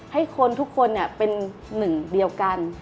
ให้คนทุกคนเป็นหนึ่งเดียวกัน